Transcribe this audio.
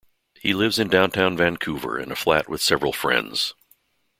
He lives in downtown Vancouver in a flat with several friends.